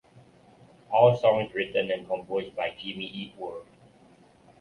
All songs written and composed by Jimmy Eat World.